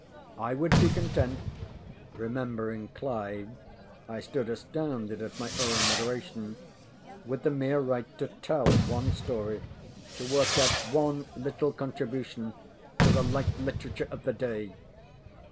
I would be content remembering Clive, I stood astounded at my own moderation, with the mere right to tell one story, to work out one little contribution to the light literature of the day.